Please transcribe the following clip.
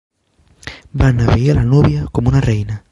Van abillar la núvia com una reina.